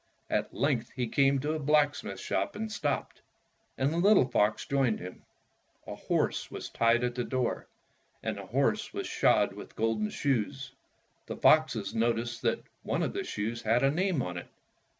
At length he came to a black smith's shop and stopped, and the little fox joined him. A horse was tied at the door, and the horse was shod with golden shoes. The foxes noticed that one of the shoes had a name on it.